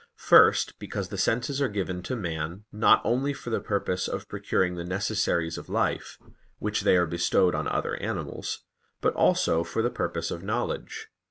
First, because the senses are given to man, not only for the purpose of procuring the necessaries of life, which they are bestowed on other animals, but also for the purpose of knowledge.